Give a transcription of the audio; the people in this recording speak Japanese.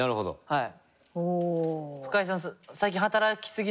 はい。